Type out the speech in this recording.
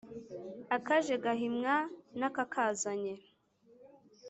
Akaje gahimwa n’akakazanye.